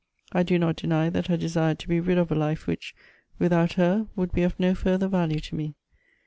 I do not deny that I desired to he rid of a life which, without her, would be of no further value to me.